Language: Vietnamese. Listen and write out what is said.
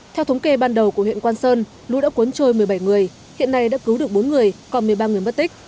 theo thống kê ban đầu của huyện quang sơn lũ đã cuốn trôi một mươi bảy người hiện nay đã cứu được bốn người còn một mươi ba người mất tích